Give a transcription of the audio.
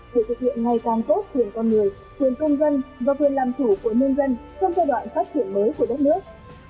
để thực hiện ngày càng tốt thường con người thường công dân và thường làm chủ của nhân dân trong giai đoạn phát triển mới của đất nước